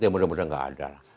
ya mudah mudahan nggak ada lah